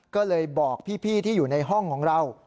ก็เลยบอกพี่ที่อยู่ในห้องของเรา